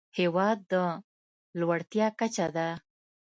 هېواد د لوړتيا کچه ده.